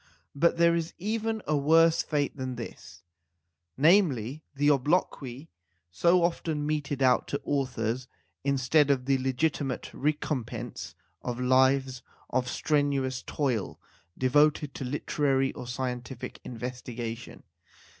But there is even a worse fate than this, namely, the obloquy so often meted out to authors instead of the legiti mate recompense of lives of strenuous toil devoted to literary or scientific investigation.